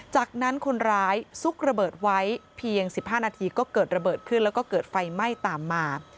จากนั้นคนร้ายซุกระเบิดไว้เพียง๑๕นาทีก็เกิดระเบิดขึ้นแล้วก็เกิดไฟไหม้ตามมา